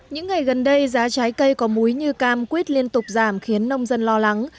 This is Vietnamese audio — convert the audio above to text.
những ngày gần đây giá trái cây có múi như cam quýt liên tục giảm khiến nông dân lo lắng